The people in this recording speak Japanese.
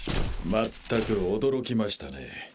まったく驚きましたね